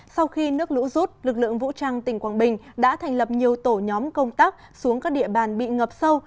sau khi nước lũ rút lực lượng vũ trang tỉnh quảng bình đã thành lập nhiều tổ nhóm công tác xuống các địa bàn bị ngập sâu